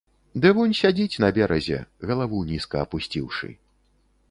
Ды вунь сядзіць на беразе, галаву нізка апусціўшы.